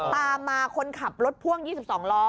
ตามมาคนขับรถพ่วง๒๒ล้อ